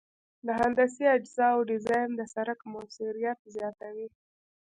د هندسي اجزاوو ډیزاین د سرک موثریت زیاتوي